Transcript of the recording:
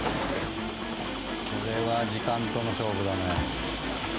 これは時間との勝負だね。